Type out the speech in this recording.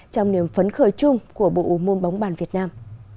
trong niềm phấn khởi chung của bộ môn bóng bàn việt nam